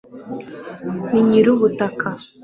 Ni nyirubutaka